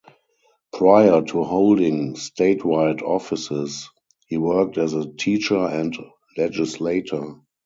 Prior to holding statewide offices, he worked as a teacher and legislator.